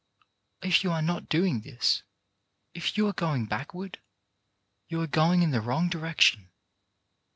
If you are not doing this, you are going back Ward, you are going in the wrong direction.